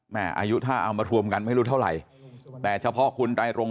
อายุถ้าเอามารวมกันไม่รู้เท่าไหร่แต่เฉพาะคุณไตรรง